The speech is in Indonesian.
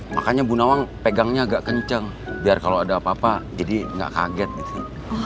makanya bu nawang pegangnya agak kencang biar kalau ada apa apa jadi gak kaget gitu